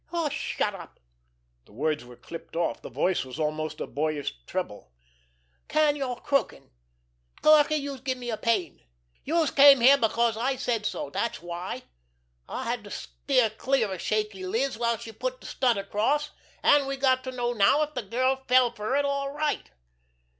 "Aw, shut up!" The words were clipped off; the voice was almost a boyish treble. "Can yer croakin', Clarkie, youse give me a pain! Youse came back here because I said so—dat's why! I had to steer clear of Shaky Liz while she put de stunt across, an' we got to know now if de girl fell fer it all right."